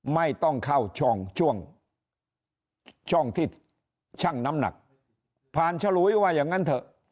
ไม่ต้องเข้าช่องช่วงช่องที่ชั่งน้ำหนักผ่านฉลุยว่าอย่างนั้นเถอะ